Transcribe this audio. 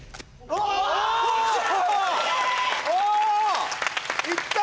おおいった！